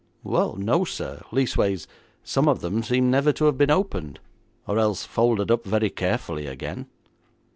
'Well, no, sir; leastways, some of them seem never to have been opened, or else folded up very carefully again.'